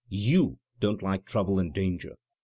You don't like trouble and danger.